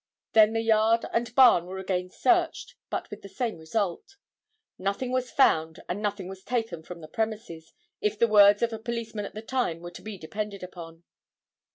Then the yard and barn were again searched but with the same result. Nothing was found and nothing was taken from the premises, if the words of a policeman at the time were to be depended upon.